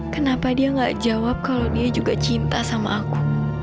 kenapa dia gak jawab kalau dia juga cinta sama aku